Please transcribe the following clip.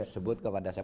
sebut kepada saya